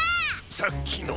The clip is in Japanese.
さっきのは。